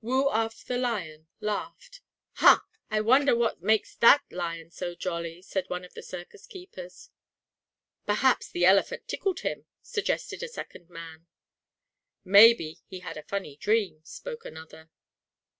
Woo Uff, the lion, laughed. "Ha! I wonder what makes that lion so jolly?" said one of the circus keepers. "Perhaps the elephant tickled him," suggested a second man. "Maybe he had a funny dream," spoke another.